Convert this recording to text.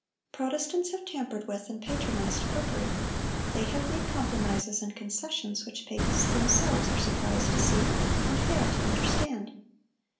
Protestants have tampered with and patronized popery; they have made compromises and concessions which papists themselves are surprised to see, and fail to understand.